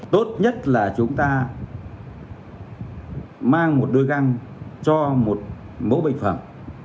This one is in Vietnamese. tốt nhất là chúng ta mang một đôi găng cho một mẫu bệnh phẩm